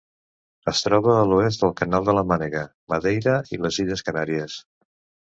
Es troba a l'oest del Canal de la Mànega, Madeira i les Illes Canàries.